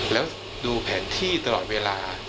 แล้วดูแผนที่ตลอดเวลา